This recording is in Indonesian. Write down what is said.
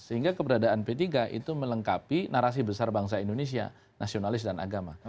sehingga keberadaan p tiga itu melengkapi narasi besar bangsa indonesia nasionalis dan agama